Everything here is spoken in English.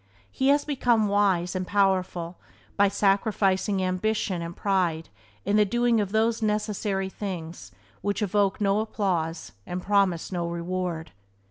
He has become wise and powerful by sacrificing ambition and pride in the doing of those necessary things which evoke no applause and promise no reward.